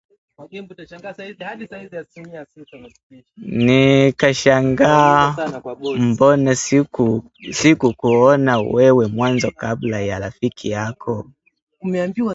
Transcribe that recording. nikashangaa mbona sikukuona wewe mwanzo kabla ya rafiki yako